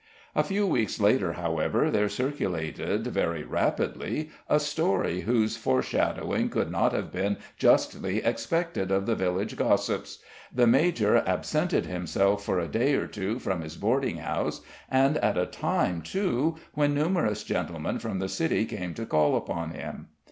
A few weeks later, however, there circulated very rapidly a story whose foreshadowing could not have been justly expected of the village gossips. The major absented himself for a day or two from his boarding house, and at a time, too, when numerous gentlemen from the city came to call upon him.